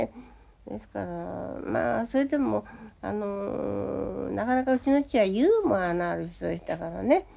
ですからまあそれでもあのなかなかうちの父はユーモアのある人でしたからね。